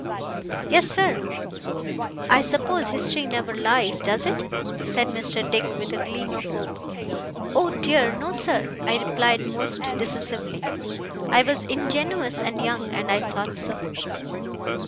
'Yes, sir.' 'I suppose history never lies, does it?' said Mr. Dick, with a gleam of hope. 'Oh dear, no, sir!' I replied, most decisively. I was ingenuous and young, and I thought so.